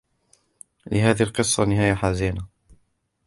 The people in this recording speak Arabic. لهذه القصّة نهاية حزينة.